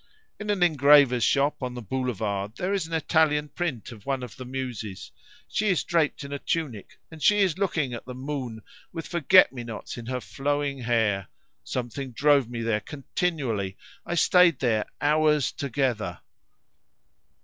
In an engraver's shop on the boulevard there is an Italian print of one of the Muses. She is draped in a tunic, and she is looking at the moon, with forget me nots in her flowing hair. Something drove me there continually; I stayed there hours together."